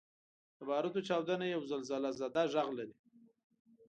• د باروتو چاودنه یو زلزلهزده ږغ لري.